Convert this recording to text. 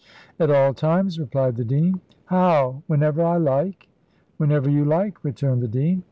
"At all times," replied the dean. "How! whenever I like?" "Whenever you like," returned the dean.